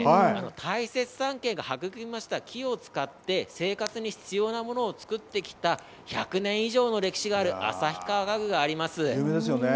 大雪山系が育みました木を使って生活に必要なものを作ってきた、１００年以上の歴史がある旭川家具があります。